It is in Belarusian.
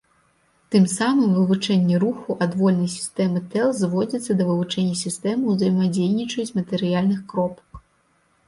Тым самым вывучэнне руху адвольнай сістэмы тэл зводзіцца да вывучэння сістэмы ўзаемадзейнічаюць матэрыяльных кропак.